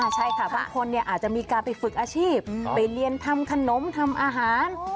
ใช่ค่ะบางคนอาจจะมีการไปฝึกอาชีพไปเรียนทำขนมทำอาหาร